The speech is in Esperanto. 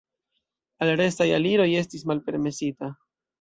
Al restaj aliro estis malpermesita.